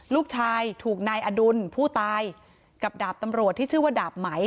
ลูกชายถูกนายอดุลผู้ตายกับดาบตำรวจที่ชื่อว่าดาบไหม